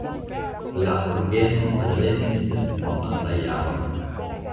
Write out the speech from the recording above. La orgeno alvenis en nekonata jaro.